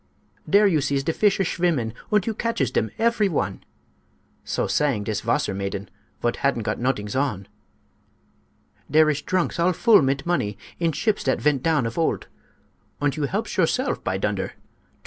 "Dere you sees de fisch a schwimmin, Und you catches dem efery one:" So sang dis wasser maiden Vot hadn't got nodings on. "Dere ish drunks all full mit money In ships dat vent down of old; Und you helpsh yourself, by dunder!